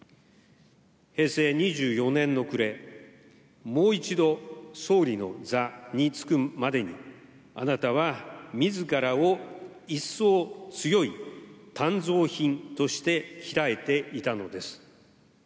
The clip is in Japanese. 平成２４年の暮れ、もう一度、総理の座に着くまでに、あなたは、みずからを一層強い鍛造品として鍛えていたのです。